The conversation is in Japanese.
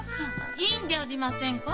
いいんじゃありませんか？